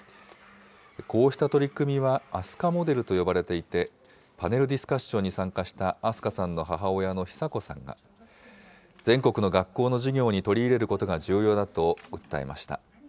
こうした取り組みはＡＳＵＫＡモデルと呼ばれていて、パネルディスカッションに参加した明日香さんの母親の寿子さんが、全国の学校の授業に取り入れることが重要だと訴えました。